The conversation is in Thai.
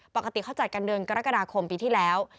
ปกติเขาจัดกันเดือนกรกฎาคมปีที่แล้ว